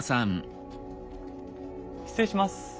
失礼します。